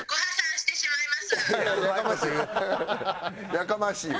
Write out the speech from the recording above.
やかましいわ。